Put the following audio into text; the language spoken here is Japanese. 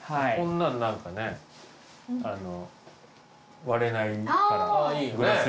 こんなんなんかね割れないから。